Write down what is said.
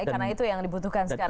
karena itu yang dibutuhkan sekarang